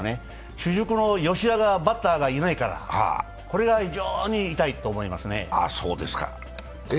主軸のバッターの吉田がいないからこれが非常に痛いと思いますね。